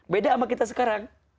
beda sama kita sekarang